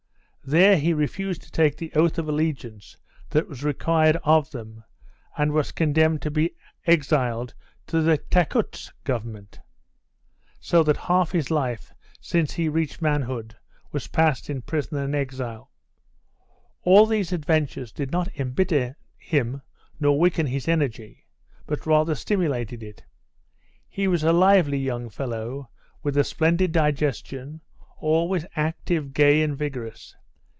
There he refused to take the oath of allegiance that was required of them and was condemned to be exiled to the Takoutsk Government, so that half his life since he reached manhood was passed in prison and exile. All these adventures did not embitter him nor weaken his energy, but rather stimulated it. He was a lively young fellow, with a splendid digestion, always active, gay and vigorous.